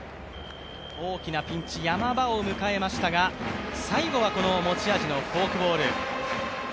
大きなピンチ、山場を迎えましたが最後はこの持ち味のフォークボール。